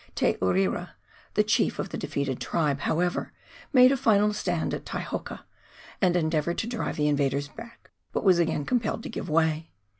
Te Uira, the Chief of the defeated tribe, however, made a final stand at Teihoka, and endeavoured to drive the invaders back, but was again com pelled to give way.